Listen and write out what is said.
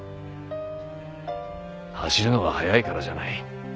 走るのが速いからじゃない。